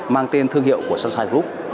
mang tên thương hiệu của sunshine group